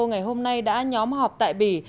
ngày hôm nay đã nhóm họp tại bỉ